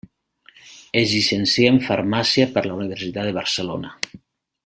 Es llicencià en farmàcia per la Universitat de Barcelona.